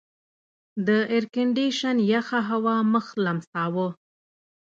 د ایرکنډېشن یخه هوا مخ لمساوه.